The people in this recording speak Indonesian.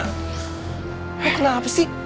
kau kenapa sih